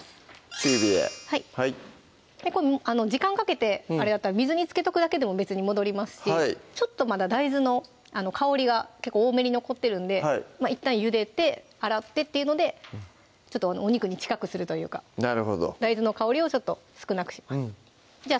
中火ではい時間かけてあれだったら水につけとくだけでも別に戻りますしちょっとまだ大豆の香りが結構多めに残ってるんでいったんゆでて洗ってっていうのでちょっとお肉に近くするというかなるほど大豆の香りをちょっと少なくしますじゃあ